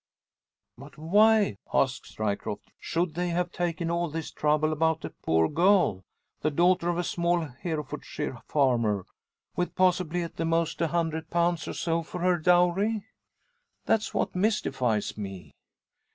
"But why," asks Ryecroft, "should they have taken all this trouble about a poor girl the daughter of a small Herefordshire farmer, with possibly at the most a hundred pounds, or so, for her dowry? That's what mystifies me!"